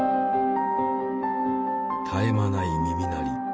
絶え間ない耳鳴り。